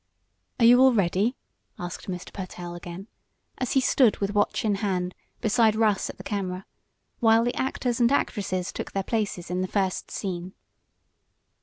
"Are you all ready?" asked Mr. Pertell again, as he stood with watch in hand beside Russ at the camera, while the actors and actresses took their places in the first scene.